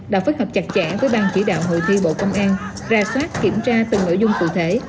đã phối hợp chặt chẽ với bang chỉ đạo hội thi bộ công an ra soát kiểm tra từng nội dung cụ thể